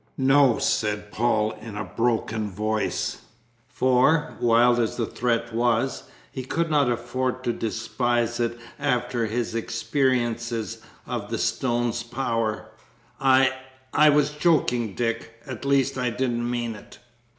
"No," said Paul, in a broken voice, for, wild as the threat was, he could not afford to despise it after his experiences of the stone's power, "I I was joking, Dick; at least I didn't mean it.